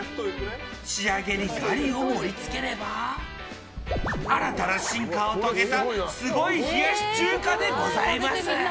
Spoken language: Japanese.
仕上げにガリを盛りつければ新たな進化を遂げたすごい冷やし中華でございます。